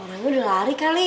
orangnya sudah lari kali